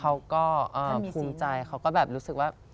เขาก็ภูมิใจเขาก็แบบรู้สึกว่า